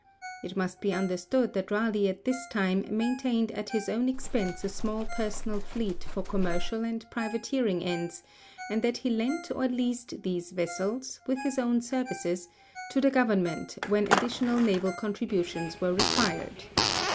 It must be understood that Raleigh at this time maintained at his own expense a small personal fleet for commercial and privateering ends, and that he lent or leased these vessels, with his own services, to the government when additional naval contributions were required.